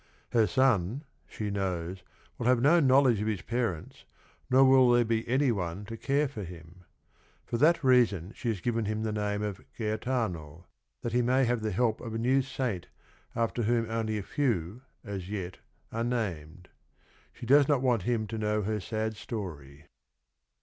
Her son, she knows, will have no knowledge of his parents, nor will there be any one to care for him. For that reason she has given him the name of Gaetano, that he may have the help of a new saint after whom only a few, as yet, are named. She does not want him to know her sad story.